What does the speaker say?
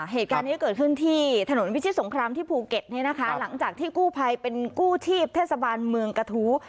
เหตุการณ์นี้เกิดขึ้นที่ถนนวิชิตสงครามที่ภูเก็ตเนี่ยนะคะหลังจากที่กู้ภัยเป็นกู้ชีพเทศบาลเมืองกระทู้